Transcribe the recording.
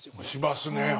しますね。